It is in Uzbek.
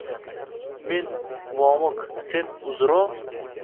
Men — Vomiq, sen — Uzro?